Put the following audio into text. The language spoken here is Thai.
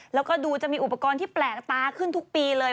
แล้วก็ดูจะมีอุปกรณ์ที่แปลกตาขึ้นทุกปีเลย